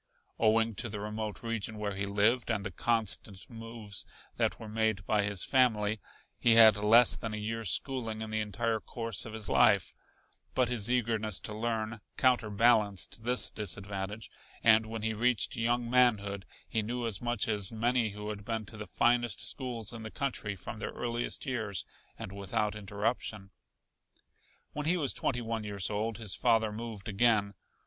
Owing to the remote region where he lived and the constant moves that were made by his family, he had less than a year's schooling in the entire course of his life, but his eagerness to learn counterbalanced this disadvantage and when he reached young manhood he knew as much as many who had been to the finest schools in the country from their earliest years and without interruption. When he was twenty one years old his father moved again.